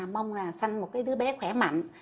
mong là sanh một đứa bé khỏe mạnh